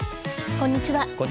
こんにちは。